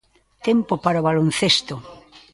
Tempo para o baloncesto.